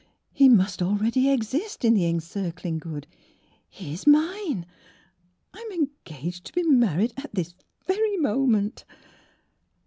" He must already exist in the encircling Good. He is mine. I am engaged to be married at this very moment!